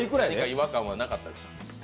違和感はなかったですか？